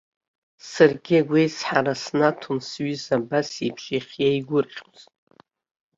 Саргьы агәеизҳара снаҭон сҩыза абасеиԥш иахьиеигәырӷьоз.